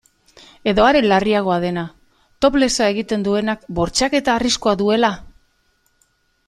Edo are larriagoa dena, toplessa egiten duenak bortxaketa arriskua duela?